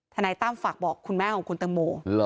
นายตั้มฝากบอกคุณแม่ของคุณตังโม